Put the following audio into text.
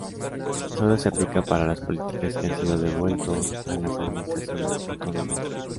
Solo se aplica para las políticas que han sido "devueltos" a las administraciones autónomas.